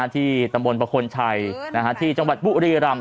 ที่ตำบลประคลชัยที่จังหวัดบุรีรำ